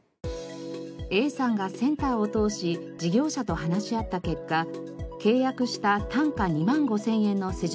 Ａさんがセンターを通し事業者と話し合った結果契約した単価２万５千円の施術